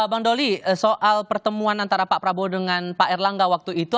bang doli soal pertemuan antara pak prabowo dengan pak erlangga waktu itu